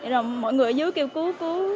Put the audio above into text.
rồi mọi người ở dưới kêu cứu cứu